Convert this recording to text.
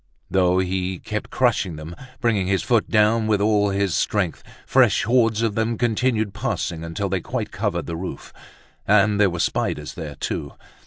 Though he kept crushing them, bringing his foot down with all his strength, fresh hordes of them continued passing, until they quite covered the roof. And there were spiders there too!